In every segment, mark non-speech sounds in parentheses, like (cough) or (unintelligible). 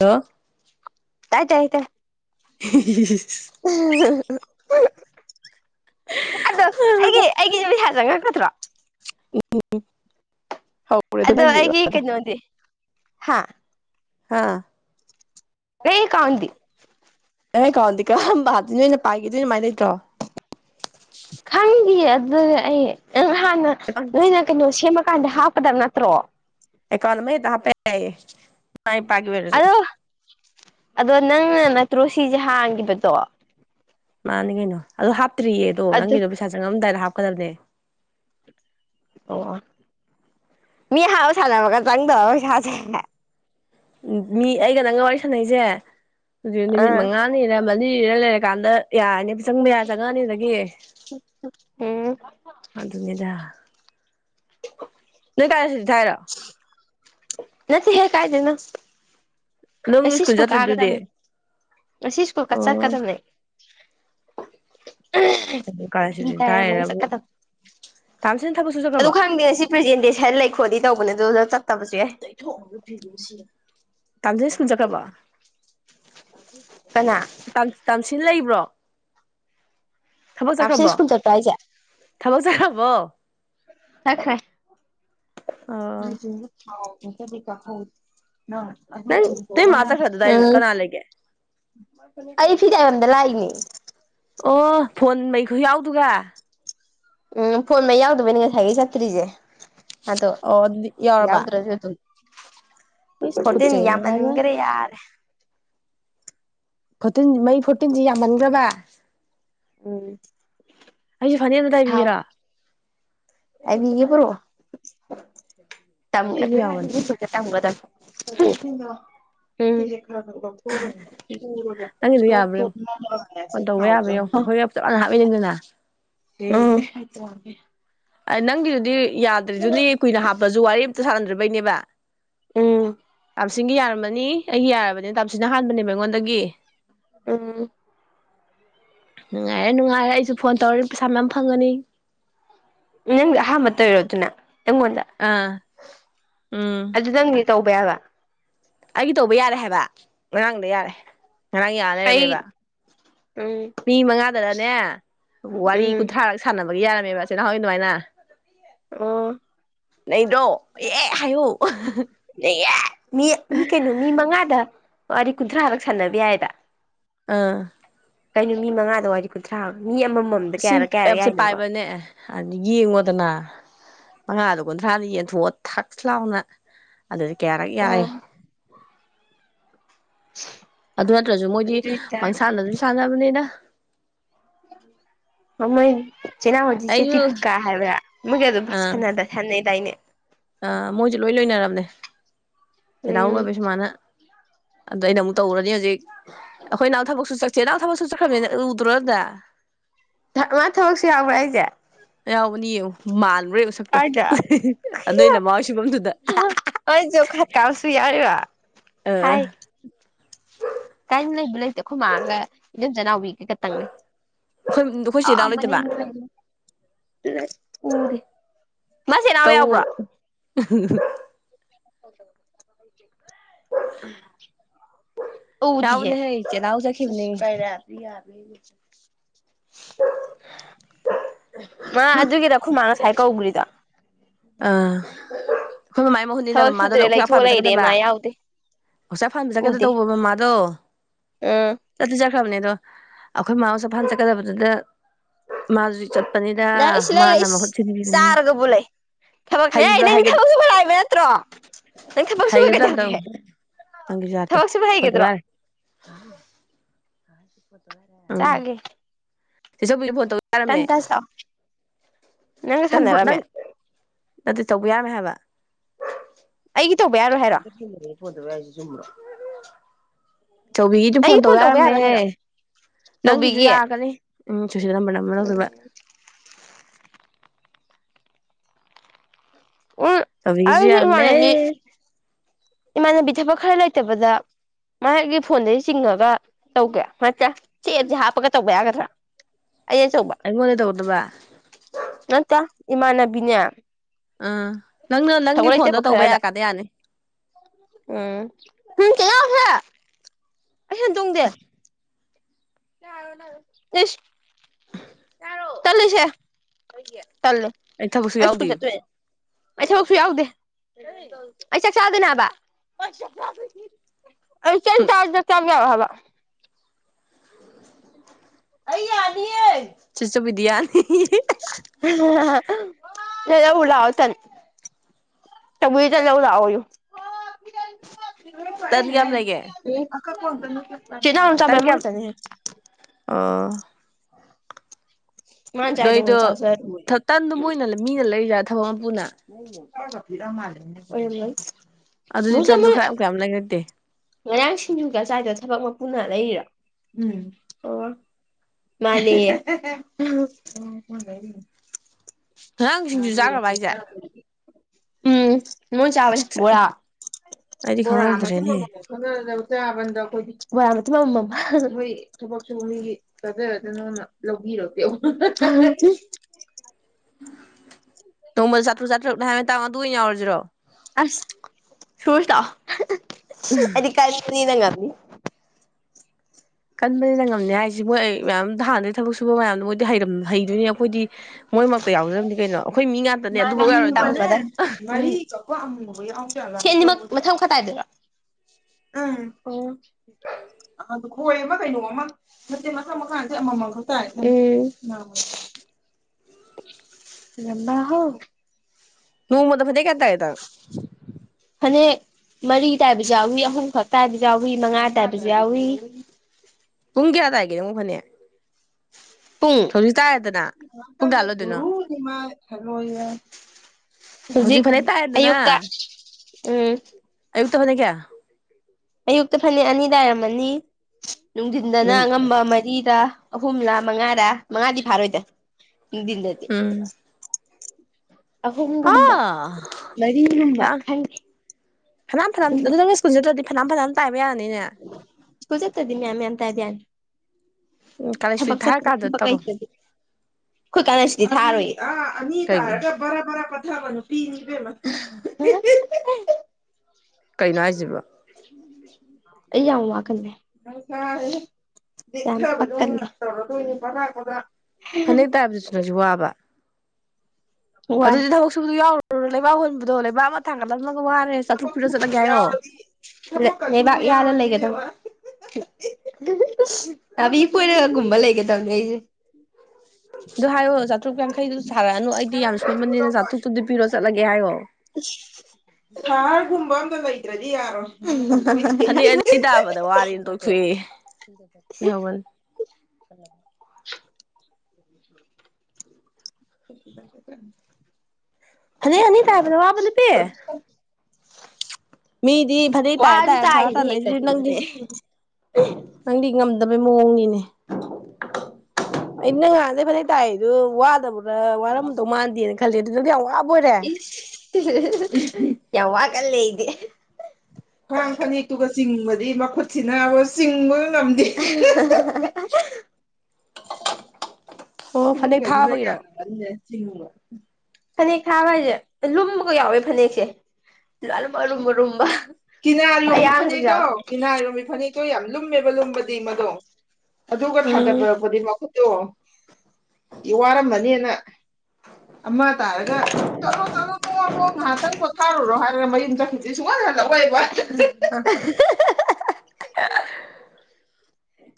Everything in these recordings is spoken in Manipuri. ꯑ ꯇꯥꯏ ꯇ ꯍꯥꯏꯥꯏ ꯇ (unintelligible) ꯑꯗꯣ ꯑꯩꯒꯤ ꯑꯩꯒꯤ ꯂꯤꯁꯥꯖꯉꯛꯀꯗ꯭ꯔꯣ ꯎꯝ ꯑꯗꯣ ꯑꯩ ꯀꯩꯅꯣꯗꯦ ꯍꯥ ꯍꯥꯥ ꯅꯪ ꯑꯦꯀꯥꯎꯟꯗꯤ ꯑꯦ ꯀꯟꯗꯤꯀꯥꯗꯤ ꯅꯅ ꯄꯥꯏꯈꯤꯗꯣꯏ ꯅꯃꯥꯏꯅ ꯂꯩꯇ꯭ꯔꯣ ꯈꯪꯗꯦ ꯑꯗꯨ ꯑꯩ ꯍꯥꯟꯅ ꯅꯣꯏꯅ ꯀꯩꯅꯣ ꯁꯦꯝꯃꯀꯥꯟꯗ ꯍꯥꯞꯄ ꯗꯅ ꯑꯣ ꯑꯦꯀꯣꯟꯃ ꯇꯍ ꯄꯦꯑ ꯑꯗꯣ ꯑꯗꯣ ꯅꯪꯅ ꯅꯠꯇ꯭ꯔꯨ ꯁꯤꯁꯦ ꯍꯥꯡꯈꯤꯕꯗꯣ ꯃꯥꯅꯦ ꯀꯩꯅꯣ ꯑꯗꯨꯗꯣ ꯍꯥꯞꯇ꯭ꯔꯤꯌꯦꯗꯣ ꯑꯗꯨ ꯅꯪꯒꯤꯅꯣ ꯄꯩꯁꯥ ꯆꯪꯉꯝꯗꯥꯏ ꯍꯥꯞꯄ ꯀꯗꯅꯦ ꯑꯣ ꯃꯤ ꯍꯥꯍꯕ ꯁꯥꯟꯅꯕꯒ ꯆꯪꯗꯧꯔꯒꯩꯥꯁꯦ ꯃꯤ ꯑꯩꯒ ꯅꯪꯒ ꯋꯥꯔꯤ ꯁꯥꯟꯅꯩꯁꯦ ꯍꯧꯖꯤꯛ ꯅꯨꯃꯤꯠ ꯑꯥ ꯃꯉꯥꯅꯤꯔꯝꯅꯤ ꯂꯩ ꯀꯥꯟꯗ ꯌꯥ ꯆꯪ ꯃꯌꯥ ꯆꯪꯉꯛꯅꯤꯗꯒꯤ ꯎꯝ ꯑꯗꯨꯅꯤꯗ ꯅ ꯀꯥꯏ ꯅꯁꯤ ꯍꯦ ꯀꯥꯏꯗꯅ ꯅꯪ ꯁ꯭ꯀꯨꯜ ꯁꯤꯤꯁꯀꯣ ꯆꯠꯇ꯭ꯔꯤꯗꯨꯗꯤ ꯀꯥꯒꯗꯕ ꯃꯁꯤꯁꯀꯣ ꯀ ꯆꯠ ꯑꯣ ꯀꯗꯕꯅꯦ ꯑꯩꯗꯤ ꯀꯥꯂꯦꯟ ꯍ ꯁꯨꯇꯤ ꯇꯥꯏ ꯊꯥꯏꯔꯕꯨ ꯃꯁꯀꯗ ꯇꯥꯝꯆꯤꯟ ꯊꯕꯛ ꯁꯨ ꯑꯗꯨ ꯆꯠꯈ꯭ꯔꯕꯣ ꯈꯪꯗꯦ ꯁꯤ ꯄ꯭ꯔꯖꯦꯟꯇꯦꯁꯟ ꯂꯩꯈꯣꯗꯤ ꯇꯧꯕꯅꯦ ꯑꯗꯨꯗ ꯆꯠꯇꯕꯁꯨ ꯌꯥꯏꯊꯣꯛꯑꯤ ꯁꯤ ꯇꯥꯟꯁꯤ ꯁꯀꯨꯜ ꯆ ꯀꯅꯥ ꯀꯕꯥꯟꯁꯤ ꯁꯤ ꯂꯩꯕ꯭ꯔꯣ ꯊꯕꯛ ꯔꯥꯞꯁꯤ ꯆꯠꯈ꯭ꯔꯕꯣ ꯁ꯭ꯀꯨꯜ ꯆꯠꯄ꯭ꯔꯥ ꯍꯥꯏꯁꯦ ꯊꯕꯛ ꯆꯠꯈ꯭ꯔꯕꯣ ꯃꯁꯨ ꯀ ꯀ ꯑꯗꯨ ꯅꯪ ꯅꯣꯏ ꯃꯥ ꯆꯠꯈ꯭ꯔꯗꯨꯗꯥꯏ ꯊ ꯀꯅꯥ ꯂꯩꯒꯦ ꯑꯩ ꯐꯤꯖꯥꯏꯔꯣꯝꯗ ꯂꯥꯛꯏꯅꯦ ꯑꯣ ꯐꯣꯟ ꯃꯩꯈ ꯌꯥꯎꯗꯨꯒ ꯎꯝ ꯐꯣꯟ ꯃꯩ ꯌꯥꯎꯗꯕꯩꯅꯤ ꯉꯁꯥꯏꯒꯤ ꯆꯠꯇ꯭ꯔꯤꯁꯦ ꯑꯗꯣ ꯑꯣ ꯑꯗꯨꯗꯤ ꯌꯥꯎꯔꯕ ꯌꯥꯎꯗ꯭ꯔꯁꯨ ꯑꯗꯨꯝ ꯏꯁ ꯐꯣꯔꯇꯤꯟ ꯇꯨꯀꯠꯆꯩꯅ ꯌꯥꯕꯅꯤꯒ꯭ꯔꯦ ꯌꯥꯔꯦ ꯐꯣꯔꯇꯤꯟ ꯃꯩ ꯐꯣꯔꯇꯤꯟꯁꯤ ꯌꯥꯝꯃꯟꯈ꯭ꯔꯕ ꯎ (unintelligible) (inaudible) ꯑꯩꯁꯦ ꯐꯅꯅ ꯇꯥꯏꯕꯤꯔ ꯑꯗꯤ ꯄꯔꯣ ꯇ ꯑꯩꯒꯤ ꯌꯥꯎꯕꯅꯦ ꯇ ꯇ ꯎꯝ ꯈꯔ ꯈ ꯊꯣꯛꯒꯅꯦ ꯅꯪꯒꯤꯗꯨ ꯇꯣꯞ ꯌꯥꯕ꯭ꯔꯥ ꯌꯦꯡꯉꯨ ꯇꯣꯁꯦ ꯊꯥꯎꯖꯟ ꯑꯅꯅꯅ ꯍꯦ ꯅꯪꯒꯤꯗꯨꯗꯤ ꯌꯥꯗ꯭ꯔꯤꯗꯨꯅꯤ ꯀꯨꯏꯅ ꯍꯥꯞꯄꯁꯨ ꯋꯥꯔꯤ ꯑ ꯑꯃꯝꯇ ꯁꯥꯟꯅꯗ꯭ꯔꯕꯩꯅꯦꯕ ꯎꯝ ꯇꯥꯝꯁꯤꯟꯒꯤ ꯌꯥꯔꯝꯃꯅꯤ ꯑꯩ ꯌꯥꯔꯕꯅꯤꯅ ꯇꯥꯝꯁꯤꯅ ꯍꯥꯟꯕꯅꯦꯕ ꯑꯩꯉꯣꯟꯗꯒꯤ ꯎꯝ ꯅꯨꯡꯉꯥꯏꯔꯦ ꯅꯨꯡꯉꯥꯏꯔꯦ ꯑꯩꯁꯨ ꯐꯣꯟ ꯇꯧꯔ ꯄꯩꯁꯥ ꯃꯌꯥꯝ ꯐꯪꯒꯅꯤ ꯅꯪꯗꯤ ꯑꯍꯥꯟꯕ ꯇ ꯑꯣꯏꯔꯣ ꯑꯗꯨꯅ ꯑꯩꯉꯣꯟꯗ ꯑꯥ ꯎꯝ ꯑꯗꯨꯗꯪꯗꯤ ꯇꯧꯕ ꯌꯥꯕ ꯑꯩꯒꯤ ꯇꯧꯕ ꯌꯥꯔꯦ ꯍꯥꯏꯕ ꯉꯔꯥꯡꯗ ꯌꯥꯔꯦ ꯉꯔꯥꯡ ꯌꯥꯔ ꯑꯩ ꯂꯩꯔꯝꯃꯦꯕ ꯎꯝ ꯃꯤ ꯃꯉꯥꯗꯅꯅꯦ ꯋꯥꯔꯤ ꯎꯝ ꯀꯨꯟꯊ꯭ꯔꯥꯔꯛ ꯁꯥꯟꯅꯕꯅꯦ ꯌꯥꯔꯝꯃꯦꯕꯁ ꯅꯍꯣꯏ ꯃꯥꯏꯅ ꯑ (unintelligible) (inaudible) ꯅꯗꯣ ꯑꯦ ꯍꯥꯏꯌꯨ ꯑꯦ ꯃꯤ ꯃꯤ ꯀꯩꯅꯣ ꯃꯤ ꯃꯉꯥꯗ ꯋꯥꯔꯤ ꯀꯨꯟꯊ꯭ꯔꯥꯔꯛ ꯁꯥꯟꯅꯕ ꯌꯥꯏꯗ ꯑꯥ ꯀꯩꯅꯣ ꯃꯤ ꯃꯉꯥꯗ ꯋꯥꯔꯤ ꯀꯨꯟꯊ꯭ꯔꯥ ꯃꯤ ꯑꯃꯃꯝꯗ ꯁꯤ ꯀꯌꯥꯔꯛ ꯀꯌꯥꯔꯛ ꯑꯦꯞꯁꯦ ꯌꯥꯏꯅꯣꯕ ꯄꯥꯏꯕꯅꯦ ꯌꯦꯡꯉꯣꯗꯅ ꯃꯉꯥꯗꯣ ꯀꯨꯟꯊ꯭ꯔꯥꯗ ꯌꯦꯟꯊꯣꯛꯑ ꯊꯛꯁ ꯂꯥꯎꯅ ꯑꯗꯨꯗꯤ ꯀꯌꯥꯔꯛ ꯌꯥꯏ ꯑꯣ ꯑꯗꯨ ꯅꯠꯇ꯭ꯔꯁꯨ ꯃꯣꯏꯗꯤ ꯑꯗꯨ ꯑꯣꯏꯇꯥꯔꯗꯤ ꯃꯪꯁꯥꯟꯅ ꯑꯗꯨꯁꯨ ꯁꯥꯟꯅꯕꯅꯤꯅ ꯑꯃꯃꯥꯏ ꯆꯦꯅꯥꯎꯖꯤ ꯆꯦꯇꯤ ꯑꯩꯁꯨ ꯄꯤꯀꯥ ꯍꯥꯏꯕ꯭ꯔꯥ ꯃ ꯑꯗꯨꯝ ꯑꯥ ꯁꯥꯟꯅꯗ ꯁꯥꯟꯅꯩꯗꯥꯏꯅꯦ ꯑꯥ ꯃꯣꯏꯁꯨ ꯂꯣꯏ ꯂꯣꯏꯅꯝꯅꯦ ꯁꯅꯥꯥꯎꯎ ꯎꯝ ꯂꯣꯏꯕꯁꯨꯨ ꯃꯥꯅ ꯑꯗ ꯑꯩꯅ ꯑꯃꯨꯛ ꯇꯧꯔꯅꯤ ꯍꯧꯖꯤꯛ ꯑꯩꯈꯣꯏ ꯅꯅꯥꯥꯟꯎ ꯊꯕꯛꯁꯨ ꯆꯠꯁꯦ ꯅꯅꯥꯍꯎ ꯊꯕꯛꯁꯨ ꯆꯠꯈ꯭ꯔꯕꯅꯤꯅ ꯎꯗ꯭ꯔꯣꯗ (unintelligible) ꯉꯥ ꯊꯕꯛꯁꯨ ꯌꯥꯎꯕ꯭ꯔꯥ ꯑꯩꯁꯦ ꯌꯥꯎꯕꯅꯤ ꯌꯦꯡꯉꯨ ꯃꯜꯂꯨꯔꯦ ꯃꯁꯛꯇꯣ ꯀꯥꯏꯗ ꯅꯣꯏꯅ ꯃꯥꯣꯏ ꯁꯨꯕꯐꯝꯗꯨꯗ ꯑ ꯆꯣꯈꯠ ꯀꯥꯎꯁꯨ ꯌꯥꯏꯔ ꯋꯥ ꯑ ꯀꯥꯏꯅ ꯂꯩꯕ ꯂꯩꯇꯦ ꯈꯨꯃꯥꯡꯒ ꯏꯣꯝ ꯆꯅꯥꯋ ꯍꯒꯠꯇꯪꯂꯤ ꯑꯩꯈꯣꯏ ꯑꯩꯈꯣꯏ ꯆꯦꯅꯥꯎ ꯂꯩꯇꯕ ꯎꯦ ꯃꯆꯅꯥꯎ ꯀꯧ ꯌꯥꯎꯕ꯭ꯔꯣ (unintelligible) (unintelligible) ꯎꯗꯤꯌꯦ ꯌꯥꯅ ꯍ ꯏꯦ ꯂꯎ ꯆꯈꯤꯕ ꯃꯥ ꯑꯗꯨꯒꯤꯗ ꯈꯨꯃꯥꯡ ꯉꯁꯥꯏ ꯀꯧꯈ꯭ꯔꯤꯗ ꯑꯥ ꯑꯩꯈꯣꯏ ꯃꯃꯥꯏ ꯃꯍꯨꯠꯅꯤꯅ ꯊꯕꯛ ꯃꯃꯥꯗꯣ ꯁꯨꯗ꯭ꯔꯦ ꯂꯧꯁꯥꯛ ꯂꯩꯊꯣꯛ ꯐꯥꯕ ꯂꯩꯔꯦ ꯆꯠꯀꯗꯕꯥ ꯃꯥ ꯌꯥꯎꯗꯦ ꯂꯧꯁꯥꯛ ꯐꯥꯕ ꯆꯠꯀꯗꯕ ꯇꯧꯕ ꯃꯃꯥꯗꯣ ꯑꯥ ꯆꯠꯇꯤ ꯆꯠꯈ꯭ꯔꯕꯅꯦ ꯑꯗꯣ ꯑꯩꯈꯣꯏ ꯃꯥꯕꯨ ꯁꯐꯥꯟ ꯆꯠꯀꯗꯕꯗꯨꯗ ꯃꯥꯁꯨ ꯆꯠꯄꯅꯤꯗ ꯅꯪ ꯏ ꯂꯩ ꯃꯥꯅ ꯃꯍꯨꯠ ꯁꯤꯟꯕꯤꯕꯅꯤ ꯆꯥꯔꯒꯕꯨ ꯂꯩ ꯊꯕꯛꯅꯦ ꯍꯩꯕ꯭ꯔꯥ ꯅꯪ ꯊꯕꯛ ꯁꯨꯕ ꯂꯥꯛꯏꯕ ꯅꯠꯇ꯭ꯔꯣ ꯅꯪ ꯊꯕꯛ ꯁꯨꯕ ꯀꯩꯗꯧꯒꯦ ꯇꯪꯒꯤ ꯆꯔꯠꯇ ꯊꯕꯛ ꯁꯨꯕ ꯍꯩꯒꯗ꯭ꯔꯣ ꯐꯇꯒꯔ ꯎꯝ ꯁꯤ ꯁ ꯇꯟꯗꯁ ꯅꯪ ꯅꯠꯇꯗꯤ ꯇꯧꯕ ꯌꯥꯔꯃꯦ ꯍꯥꯏꯕ ꯑꯩꯒꯤ ꯇꯧꯕ ꯌꯥꯔꯣꯏ ꯍꯥꯏꯔꯣ ꯑꯗ ꯄꯨ ꯄꯨꯗꯨꯦꯁ ꯆꯨꯝꯃꯔꯣ ꯆꯧꯕꯤꯒꯤꯁꯨ ꯑꯩꯒꯤ ꯐꯣꯟ ꯇꯧ ꯇꯧꯕ ꯌꯥꯔꯝꯃꯦ ꯌꯥꯔꯣꯏ ꯍꯥꯏꯔꯣ ꯅꯪꯒꯤꯁꯨ ꯇꯧꯕꯤꯒꯦ ꯌꯥꯔꯀꯅꯤ ꯎꯝ ꯁꯨꯁꯤꯗꯝ ꯄ ꯃꯕ ꯎ ꯆꯧꯕꯤꯒꯤꯁꯨ ꯑꯁꯨ ꯌꯥꯔꯝꯃꯦ ꯃꯅꯕꯤ ꯏꯃꯥꯟꯅꯕꯤ ꯊꯕꯛ ꯈꯔ ꯂꯩꯇꯕꯗ ꯃꯥꯒꯤ ꯐꯣꯟꯗꯗꯒꯤ ꯆꯤꯡꯉꯒ ꯇꯧꯒꯦ꯭ꯔ ꯆꯦꯁꯦ ꯍꯥꯞꯄꯒ ꯇꯧꯕ ꯌꯥꯒꯗ꯭ꯔꯥ (unintelligible) ꯑꯩ ꯑꯩ ꯃꯅꯦ ꯇꯧꯧꯕꯗꯕ ꯅꯠꯇ ꯏꯃꯥꯟꯅꯕꯤꯅꯦ ꯑꯥ ꯅꯪꯅ ꯅꯪꯒꯤ ꯁꯒꯣꯜ ꯐꯣꯟꯗꯣ ꯂꯩꯇꯦꯕ ꯇꯧꯕ ꯈꯔꯗ ꯌꯥ ꯀꯗ ꯌꯥꯅꯤ ꯎꯝ ꯆꯦꯡꯌꯥꯎꯁꯦ ꯑꯩ ꯍꯦꯟꯗꯣꯡꯗꯦ ꯆ ꯆꯂꯁꯦ ꯆꯜꯂꯨ ꯊꯕꯛꯁꯨ ꯑꯩ ꯌꯥꯎꯗꯦ ꯁ꯭ꯀꯨꯜ ꯆꯠꯇꯣꯏ ꯑꯩ ꯊꯕꯛꯁꯨ ꯌꯥꯎꯗꯦ ꯑꯩꯁ ꯆ ꯑꯥꯒꯅꯅꯥꯕ ꯑꯩ ꯆ ꯎꯝ ꯆꯥꯔꯗ ꯀ ꯌꯥ ꯍꯥꯏꯕ (unintelligible) ꯌꯥꯅꯤ ꯁꯤꯁꯨꯕꯤꯗꯤ ꯌꯥꯅꯤ ꯑ ꯅ ꯑ ꯂꯥꯎꯑꯣ ꯊ ꯇꯕꯨꯇ ꯅ ꯂꯑꯣ ꯏ ꯇꯟ ꯀꯌꯥꯝ ꯂꯩꯒꯦ ꯐꯅꯦꯦꯀꯗ ꯀꯩꯅ ꯍꯅ ꯇꯟ ꯆꯕꯃ ꯀꯌꯥꯝ ꯆꯅꯦ ꯑꯣ ꯅꯣꯏꯗꯣ ꯑꯩꯉꯣꯟꯗ ꯆꯥꯖꯔꯣꯏ ꯐꯠꯇꯟꯗꯨ ꯃꯅ ꯃꯤꯅ ꯂꯩꯖ꯭ꯔꯥ ꯊꯕꯛ ꯃꯄꯨꯅ ꯔ ꯃꯥ ꯂꯩꯅꯦ ꯑꯣꯏ ꯑꯗꯨꯗꯤ ꯃꯨꯣꯏꯛꯁꯨ ꯇꯟꯗꯣ ꯑꯃꯨꯣꯏ ꯈꯔ ꯌꯥꯝ ꯀꯌꯥꯝ ꯂꯩꯔꯛꯇꯦ ꯉꯔꯥꯡ ꯁꯤꯡꯖꯨꯒ ꯆꯥꯏꯗ ꯊꯕꯛ ꯄꯨꯅꯥ ꯂꯩꯔꯥ ꯎꯝ ꯑꯣ ꯃꯥꯅꯦ ꯉꯔꯥꯡ ꯁꯤꯡꯖꯨ ꯆꯥꯈ꯭ꯔꯕ ꯍꯥꯏꯁꯦ ꯎꯝ ꯃꯅꯨꯡ ꯆ ꯑꯁ ꯣꯂ ꯑꯩꯗꯤ ꯕꯣꯔꯥ ꯃ ꯈꯪꯍꯧꯗ꯭ꯔꯦꯅꯦ ꯈꯔꯗ ꯆꯥꯕꯟꯗ ꯑꯩꯈꯣꯏꯗꯤ ꯃ ꯊꯤ ꯑꯃꯃꯝ ꯑꯩꯈꯣꯏ ꯊꯕꯛꯁꯦꯣꯏꯒꯤ ꯐꯥꯖꯔꯗ ꯅꯉꯅ ꯂꯧꯕꯤꯔꯀꯦ ꯍꯥꯏꯠꯇ (inaudible) ꯇꯨꯡꯃ ꯁꯥꯇ꯭ꯔ ꯁꯥꯠ꯭ꯔ ꯍ ꯇ ꯇꯨꯏ ꯅꯎꯔꯖꯔꯣ ꯁꯨꯁ ꯇ ꯑꯗꯤ ꯀ ꯂꯪꯒꯅꯤ ꯀꯟꯕꯅꯤꯅ ꯉꯝꯅꯤ ꯍꯥꯏꯔꯤꯁꯤꯦ ꯃꯣꯏ ꯑꯩ ꯃꯌꯥꯝ ꯍꯥꯟꯅꯩ ꯊꯕꯛ ꯁꯨꯕ ꯃꯌꯥꯝꯗꯣ ꯃꯣꯏꯗꯤ ꯍ ꯍꯩꯗꯣꯏꯅꯦ ꯑꯩꯈꯣꯏꯗꯤ ꯃꯣꯏꯃꯛꯇ ꯌꯥꯎꯖꯕꯗꯤ ꯀꯩꯅꯣ ꯑꯩꯈꯣꯏ ꯃꯤ ꯉꯥꯛꯇꯅꯦ ꯑꯗꯨꯐꯧ ꯌꯥꯔꯣꯏꯗ꯭ꯔꯣ ꯁꯦꯠꯅꯤꯃꯛ ꯃꯊꯪ ꯈꯗꯥꯥꯏꯏꯗꯅ ꯑꯥ ꯑꯣ ꯑꯗꯨ ꯈꯣꯏ ꯑꯃ ꯀꯩꯅꯣ ꯑꯃ ꯐꯠꯇꯦ ꯃꯈꯪ ꯃꯈꯥꯁꯦ ꯑꯃꯃꯝꯈꯛ ꯇꯥꯏ (inaudible) ꯔꯝꯕꯥꯍꯣ ꯅ ꯃꯗ ꯐꯅꯦ ꯀꯦꯠꯇꯑꯇ ꯦꯛ ꯃꯔꯤ ꯇꯥꯏꯕꯁꯨ ꯌꯥꯎꯏ ꯑꯍꯨꯝ ꯈꯛ ꯇꯥꯏꯕꯁꯨ ꯌꯥꯎꯏ ꯃꯉꯥ ꯇꯥꯏꯕꯁꯨ ꯌꯥꯎꯏ ꯄꯨꯨꯡꯟꯦꯌꯥꯗꯒꯗ ꯃꯍꯅꯦ ꯊꯖꯤ ꯇꯑ ꯑꯗꯨ ꯇ ꯔꯨ ꯃ ꯍꯂꯣ ꯌꯥ ꯍꯧꯖꯤꯛ ꯐꯅꯦꯛ ꯇꯥꯔꯦꯗꯅ ꯑꯌꯨꯛꯇ ꯎꯝ ꯇ ꯍꯅ ꯀꯌꯥ ꯑꯌꯨꯛꯇ ꯐꯅꯦꯛ ꯑꯅꯤ ꯏꯔꯝꯃꯅꯤ ꯅꯨꯡꯊꯤꯟꯗꯅ ꯑꯉꯝꯕ ꯃꯔꯤꯗ ꯑꯍꯨꯝꯂꯥ ꯃꯉꯥꯔꯥ ꯃꯉꯥꯗꯤ ꯐꯥꯔꯣꯏꯗ ꯅꯨꯡꯊꯤꯟꯗꯗꯤ ꯎꯝ ꯑꯍꯣꯡꯒꯨꯝꯕ ꯑꯥ ꯃꯔꯤꯒꯨꯝꯕ ꯍꯥꯏꯪ ꯐꯅꯌꯥꯝ ꯐꯅꯝ ꯅ ꯅ ꯁ꯭ꯀꯨꯜꯁꯤꯠꯇ꯭ꯔꯗꯤ ꯐꯅꯌꯥꯝ ꯐꯅꯌꯥꯝ ꯇꯥꯏꯕ ꯌꯥꯅꯤꯅꯦ ꯄꯨꯖ ꯇ ꯑꯗꯨꯅꯤꯌꯥ ꯑꯟꯅꯤ ꯎꯝ ꯀꯥꯂꯦꯟ ꯁꯨꯇꯤ ꯊꯕꯛ ꯆꯠꯇ ꯊꯥꯔꯀꯥꯟꯗ ꯊꯕꯛ ꯇꯧꯔꯣ ꯂꯩꯇꯗꯤ ꯑꯩꯈꯣꯏ ꯀꯥꯟꯗꯁꯤꯗꯤ ꯊꯥꯔꯣꯏꯌꯦ ꯑ ꯑꯅꯤꯇꯥ ꯑꯦ ꯀꯩꯒꯤ ꯔ ꯔ ꯄ ꯊꯥꯕꯅꯨ ꯄꯤꯅꯤꯕꯃ ꯀꯩꯅꯣ ꯍꯥꯏꯁꯤꯕ ꯑꯩ ꯑꯎ ꯀ ꯇꯔ ꯇꯏꯅꯤ ꯄꯅꯥ ꯀꯗ ꯐꯅꯦꯛ ꯇꯥꯏꯕꯗꯁꯨ ꯅꯪꯁꯨ ꯋꯥꯕ ꯑꯗꯨꯗꯤ ꯊꯕꯛ ꯁꯨꯗ ꯌꯥꯎꯔꯨꯔꯣ ꯂꯩꯕꯥꯛ ꯍꯣꯟꯕꯗꯣ ꯂꯩꯕꯥꯛ ꯑꯃ ꯊꯥꯡꯒꯠ ꯌꯥꯔ ꯂꯩꯒꯦꯗ ꯇꯕꯤ ꯀꯣꯏꯔꯒꯒꯨꯝꯕ ꯂꯩꯒ ꯇꯕꯅꯦ ꯑꯩꯁꯦ ꯑꯗꯨ ꯍꯥꯏꯌꯣꯑꯣ ꯆꯥꯇ꯭ꯔꯨꯛ ꯌꯥꯡꯈꯩꯗꯨ ꯁꯥꯔꯛꯑꯅꯨ ꯑꯩꯗꯤ ꯌꯥꯝ ꯁꯨꯝꯕꯅꯤꯅ ꯆꯥꯇ꯭ꯔꯨꯛꯇꯨꯗꯤ ꯄꯤꯔꯣ ꯆꯠꯂꯒꯦ ꯍꯥꯏꯌꯣ ꯁꯍꯔꯒꯨꯝꯕ ꯑꯝꯇ ꯂꯩꯗ꯭ꯔꯗꯤ ꯌꯥꯔꯣꯏ ꯐꯅꯦꯛ ꯑꯅꯤ ꯇꯥꯕꯗ ꯋꯥꯔꯤꯅ ꯇꯣꯛꯊꯣꯛꯏ ꯍꯕꯜ (inaudible) ꯐꯂꯩ ꯑꯅꯤ ꯇꯥꯕꯗ ꯋꯥꯕ ꯅ ꯄꯦ ꯃꯤꯗꯤ ꯐꯅꯦꯛ ꯇꯥꯔꯦ ꯋꯥꯁꯨ ꯇꯥꯔꯦ ꯐꯔ ꯇꯥꯏꯁꯤꯅꯦ ꯍꯦꯛ ꯇꯥꯅꯩꯁꯤꯗꯤ ꯅꯪꯗꯤ ꯀꯔꯤꯅꯣꯅꯦ ꯅꯪꯗꯤ ꯅꯕ ꯃꯑꯣꯡꯅꯤꯅꯦ ꯑꯩ ꯅꯪ ꯉꯥꯟꯗꯩ ꯐꯅꯩ ꯇꯥꯏꯗꯨ ꯋꯥꯗꯕ꯭ꯔꯥ ꯋꯥꯔꯝꯗꯧ ꯃꯥꯟꯗꯦꯅ ꯈꯜꯂꯦ ꯑꯗꯨ ꯅ ꯌꯥꯝꯕ ꯏ ꯌꯥꯋꯥꯂꯦ ꯏ ꯈ꯭ꯋꯥꯡ ꯐꯅꯦꯛꯇꯨꯒ ꯆꯤꯡꯕꯗꯤ ꯃꯈꯨꯠꯁꯤꯅ ꯆꯤꯡꯕꯁꯨ ꯅꯝꯗꯦ (unintelligible) ꯑꯣ ꯐꯅꯦꯛ ꯁꯤꯒꯨꯝꯕꯗꯤꯗ ꯊꯥꯕꯒꯤꯔꯣ ꯌꯥꯝꯅ ꯉꯜꯂꯦ ꯁꯤꯒꯨꯝꯕ ꯐꯅꯦꯛ ꯊꯥꯕ ꯍꯥꯏꯁꯦ ꯂꯨꯝꯕꯒ ꯌꯥꯎꯋꯦ ꯐꯅꯦꯛꯁꯦ ꯂꯔꯨꯝꯕꯔꯨꯝꯕ ꯀꯤꯅꯥꯔꯣ ꯀꯤꯅꯥꯔꯣꯝꯃꯤ ꯐꯅꯛꯇꯣ ꯌꯥꯝ ꯂꯨꯝꯃꯦꯕ ꯂꯨꯝꯕꯗꯤ ꯃꯗꯣ ꯑꯗꯨꯒ ꯎꯝ ꯊꯥꯡꯒꯠꯕꯤꯔꯛꯄꯗꯤ ꯃꯈꯨꯠꯇꯣ ꯋꯥꯔꯝꯃꯅꯦꯅ ꯑꯃ ꯇꯥꯔꯒ ꯆꯠꯂꯣ ꯆꯠꯂꯣ ꯣꯇꯣꯛ ꯍꯥꯇꯣ ꯉꯥꯏꯍꯥꯛꯇꯪ ꯄꯣꯠꯊꯥꯔꯨꯔꯣ ꯍꯥꯏꯔꯒ ꯃꯌꯨꯝ ꯆꯪꯈꯁꯦ ꯁꯨꯡꯍꯟ ꯍꯜꯂꯛꯑꯣꯏꯀꯣ (unintelligible)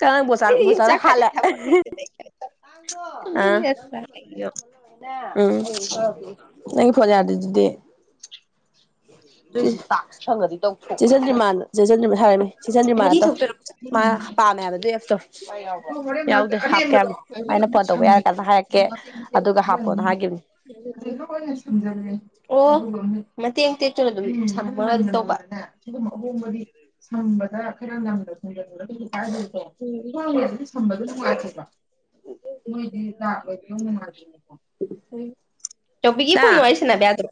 ꯀ ꯣꯁꯥ ꯑꯩꯗꯤ ꯌꯨꯝ ꯣꯁꯅ ꯆꯠꯈ꯭ꯔꯗꯤ ꯍꯂ ꯊꯕꯛ ꯂꯩꯇꯅ ꯑꯥ ꯆꯠꯅꯤꯡꯗꯗꯅ ꯎꯝ ꯅ ꯐꯅꯦ ꯌꯥꯔꯗꯗꯤꯗꯗꯤ ꯆꯗ꯭ꯔꯤ ꯆꯦꯟꯁꯤꯟꯗ꯭ ꯍꯥꯏꯔꯃꯦ ꯁꯤꯖꯟꯗ꯭ꯔꯤꯃ ꯃꯔꯤ ꯑꯗꯣ ꯊꯣꯛꯇꯔꯛ ꯃꯥ ꯆꯠꯅꯤꯡꯉꯤ ꯄꯥꯝꯃꯦ ꯍꯥꯏꯕ ꯑꯦꯐꯇꯣ ꯑꯗꯣ ꯍꯣꯔꯦꯟ ꯌꯥꯎꯗ꯭ꯔꯦ ꯍꯥꯞꯀꯦ ꯑꯔꯦꯝꯕꯗꯣ ꯍꯥꯏꯕꯅꯤ ꯑꯃꯨꯛ ꯑꯩꯅ ꯐꯣꯟ ꯇꯧꯕ ꯌꯥꯔ ꯁꯝꯖꯤꯜꯂꯦ ꯀꯥꯟꯗ ꯍꯥꯏꯔꯛꯀꯦ ꯑꯗꯨꯒ ꯍꯥꯞꯄꯣꯅ ꯍꯥꯏꯈꯤꯕꯅꯤ ꯁꯖ ꯑꯣ ꯃꯇꯦꯡ ꯇꯦꯛꯇꯅ ꯑꯗꯨꯝ ꯁ ꯇꯧꯕ ꯈꯔ ꯈꯔ ꯉꯝꯗ ꯊꯣꯡꯖꯤꯜꯂꯒ ꯑꯗꯨꯝꯁꯨ ꯇꯥꯕꯤꯌꯨꯀꯣ ꯋꯥꯡꯉꯦꯕꯗꯤ ꯁꯝꯕꯗꯣ ꯅꯨꯡꯉꯥꯏꯇꯦꯕ ꯃꯣꯏꯗꯤ ꯒꯅ ꯃꯥ ꯇꯣꯄꯤꯒꯤ ꯐꯣꯟ ꯅꯪ ꯑꯣꯏꯁꯤꯅꯕꯗ꯭ꯔꯣ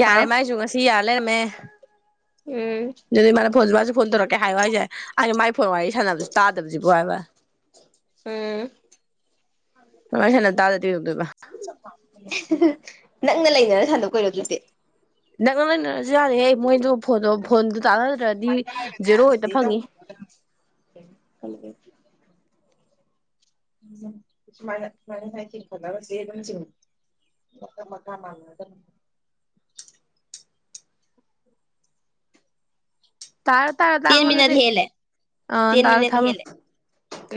ꯌꯥꯔꯦ ꯃꯥꯏꯁꯨ ꯉꯁꯤ ꯌꯥ ꯂꯩꯔꯝꯃꯦ ꯎꯝ ꯑꯗꯨꯗꯤ ꯃꯥ ꯐꯣꯟꯁꯨ ꯃꯥꯁꯨ ꯐꯣꯟ ꯇꯧꯔꯛꯀꯦ ꯍꯥꯏꯌꯣ ꯍꯥꯏꯁꯦ ꯑꯩꯒꯤ ꯃꯥꯏ ꯐꯣꯟ ꯋꯥꯔꯤ ꯁꯥꯟꯅꯕꯁꯨ ꯇꯥꯗꯕꯕꯁꯤꯕꯣ ꯍꯥꯏꯕ ꯎꯝ ꯋꯥꯔꯤ ꯁꯥꯟꯅꯕ ꯇꯥꯗꯗꯤ ꯀꯩꯗꯧꯗꯣꯏꯕ (unintelligible) ꯅꯪꯅ ꯂꯩꯅꯔ ꯁꯟꯗꯣꯛꯀꯣꯏꯔꯣ ꯑꯗꯨꯗꯤ ꯅꯣ ꯃꯣꯏ ꯐꯣꯟ ꯐꯣꯟ ꯒ ꯁꯤ ꯃ ꯃꯅ ꯍꯥꯏ ꯐꯗꯕ ꯁꯤꯝ ꯆ ꯃꯠꯇ ꯃ ꯀꯥ ꯃꯥ (unintelligible) ꯇꯥꯔ ꯇꯥꯔ ꯇꯦꯟ ꯇꯥꯉꯗꯤ ꯍꯦꯜꯂꯦ ꯑ ꯇꯦꯟ ꯇꯥꯔ ꯃꯤꯅꯠ ꯊꯥꯃ ꯍꯦꯜꯂꯦ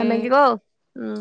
ꯎꯝ ꯎꯝ